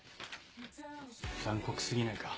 残酷過ぎないか？